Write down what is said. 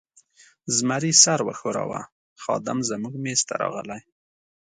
زمري سر و ښوراوه، خادم زموږ مېز ته راغلی.